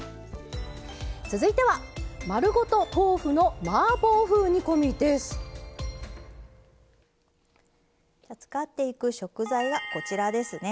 続いては使っていく食材はこちらですね。